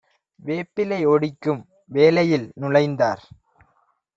வேப்பிலை ஒடிக்கும் வேலையில் நுழைந்தார்.